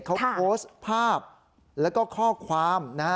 เขาโพสต์ภาพแล้วก็ข้อความนะฮะ